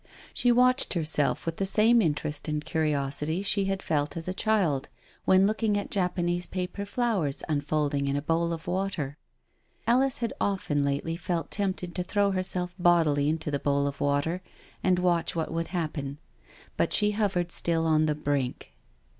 She watched herself with the same interest and curiosity she had felt as a child, when looking at Japanese paper flowers unfolding in a bowl of water. Alice had often lately felt tempted to throw herself bodily into the bowl of water and watch what would happen. But she hovered still on the brink.